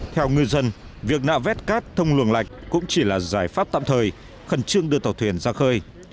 theo ngư dân việc nạo vét cát thông luồng lạch cũng chỉ là giải pháp tạm thời khẩn trương đưa tàu thuyền ra khơi